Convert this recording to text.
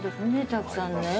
たくさんねえ。